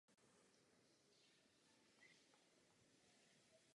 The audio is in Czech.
Začal se o něj na plný úvazek starat.